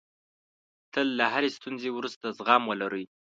تل له هرې ستونزې وروسته زغم ولرئ.